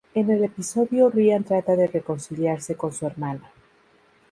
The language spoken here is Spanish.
En el episodio Ryan trata de reconciliarse con su hermana.